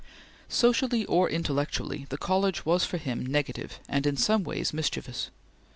Socially or intellectually, the college was for him negative and in some ways mischievous.